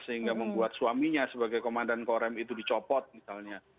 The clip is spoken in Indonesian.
sehingga membuat suaminya sebagai komandan korem itu dicopot misalnya